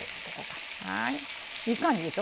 いい感じでしょ